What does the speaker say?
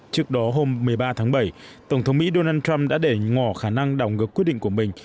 trước đó hôm một mươi ba tháng bảy tổng thống mỹ donald trump đã để ngỏ khả năng đảo ngược quyết định của mình